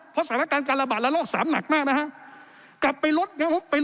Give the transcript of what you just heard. เพราะสถานการณ์การระบาดละลอกสามหนักมากนะครับ